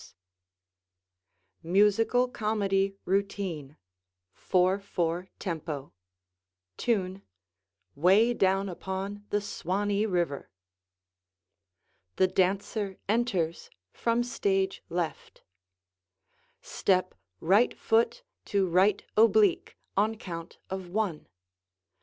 [Illustration: NW] MUSICAL COMEDY ROUTINE 4/4 TEMPO Tune: "Way Down Upon the Swanee River." The dancer enters from stage left. Step right foot to right oblique on count of "one."